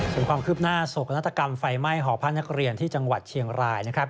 ส่วนความคืบหน้าโศกนาฏกรรมไฟไหม้หอพักนักเรียนที่จังหวัดเชียงรายนะครับ